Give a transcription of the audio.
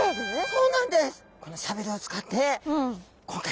そうなんです。